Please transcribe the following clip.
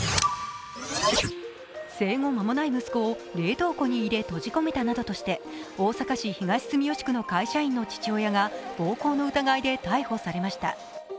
生後間もない息子を冷凍庫に入れ閉じ込めたなどとして大阪市東住吉区の会社員の父親が暴行の疑いで逮捕されました。